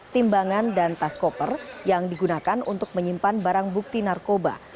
timbangan dan tas koper yang digunakan untuk menyimpan barang bukti narkoba